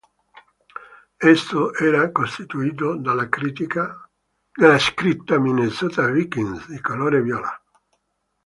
Esso era costituito dalla scritta "Minnesota Vikings" di colore viola.